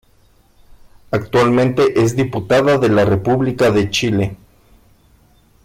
Actualmente es diputada de la República de Chile.